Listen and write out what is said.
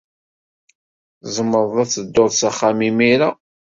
Tzemreḍ ad tedduḍ s axxam imir-a.